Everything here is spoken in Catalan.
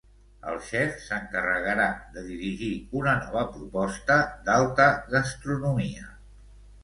El xef s'encarregarà de dirigir una nova proposta d'alta gastronomia.